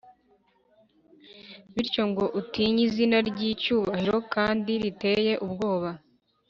bityo ngo utinye izina ry’icyubahiro+ kandi riteye ubwoba,+